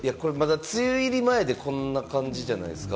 梅雨入り前でこんな感じじゃないですか。